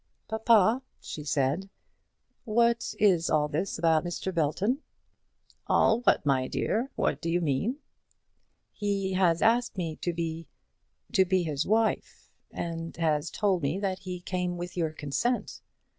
"Papa," she said, "what is all this about Mr. Belton?" "All what, my dear? what do you mean?" "He has asked me to be, to be his wife; and has told me that he came with your consent."